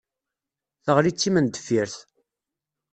Teɣli d timendeffirt.